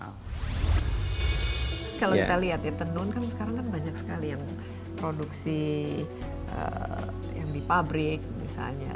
kalau kita lihat ya tenun kan sekarang kan banyak sekali yang produksi yang di pabrik misalnya